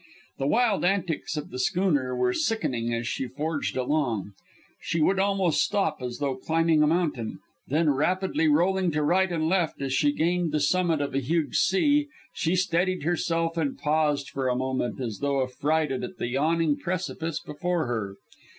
The wild antics of the schooner were sickening as she forged along. She would almost stop, as though climbing a mountain, then rapidly rolling to right and left as she gained the summit of a huge sea, she steadied herself and paused for a moment as though affrighted at the yawning precipice before her.